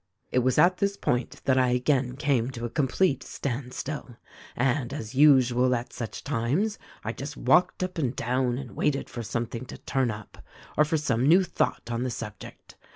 "It was at this point that I again came to a complete standstill ; and, as usual at such times, I just walked up and down and waited for something to turn up, or for some new thought on the subject.